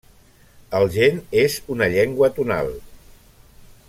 El gen és una llengua tonal.